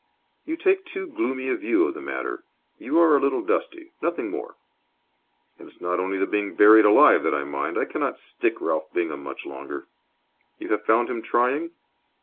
"You take too gloomy a view of the matter. You are a little dusty. Nothing more." "And it's not only the being buried alive that I mind. I cannot stick Ralph Bingham much longer." "You have found him trying?"